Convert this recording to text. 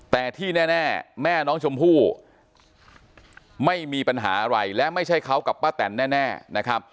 แต่ที่แน่แม่น้องชมพู่ไม่มีปัญหาอะไรและไม่ใช่เขากับป้าแตนแน่นะครับ